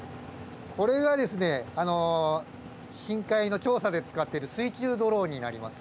これがですね深海の調査で使ってる水中ドローンになります。